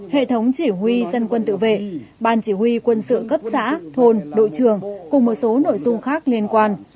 hệ thống chỉ huy dân quân tự vệ ban chỉ huy quân sự cấp xã thôn đội trường cùng một số nội dung khác liên quan